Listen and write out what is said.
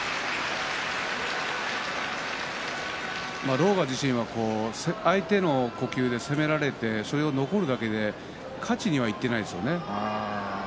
狼雅自身は相手の呼吸で攻められてそれに残るだけで勝ちにはいっていないんですね。